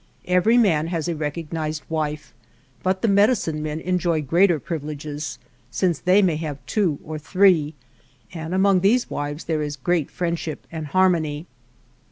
Every man has a recognized wife, but the medicine men enjoy greater privileges, since they may have two or three, 66 ALVAR NUNEZ CABEZA DE VACA and among these wives there is great friend ship and harmony.